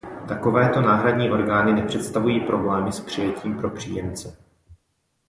Takovéto náhradní orgány nepředstavují problémy s přijetím pro příjemce.